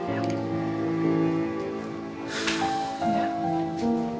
dan juga mau mengingatkan kekuatan mereka